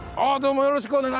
よろしくお願いします。